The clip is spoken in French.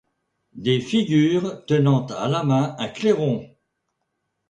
Des figures tenant à la main un clairon